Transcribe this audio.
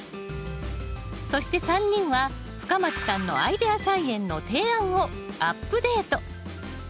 そして３人は深町さんのアイデア菜園の提案をアップデート。